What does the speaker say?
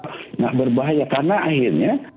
nggak berbahaya karena akhirnya